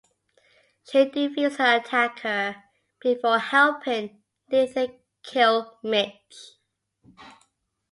She defeats her attacker before helping Nathan kill Mitch.